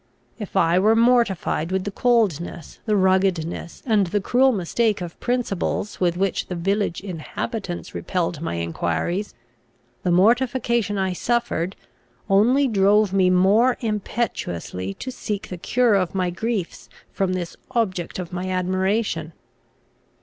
If I were mortified with the coldness, the ruggedness, and the cruel mistake of principles with which the village inhabitants repelled my enquiries, the mortification I suffered, only drove me more impetuously to seek the cure of my griefs from this object of my admiration.